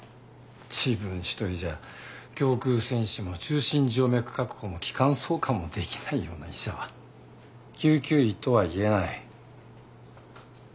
自分一人じゃ胸腔穿刺も中心静脈確保も気管挿管もできないような医者は救急医とは言えない。